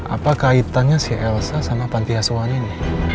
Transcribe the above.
apa kaitannya si elsa sama panti asuhan ini